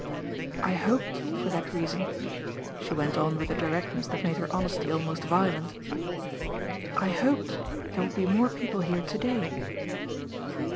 I hoped, for that reason," she went on with the directness that made her honesty almost violent "I hoped there would be more people here to day."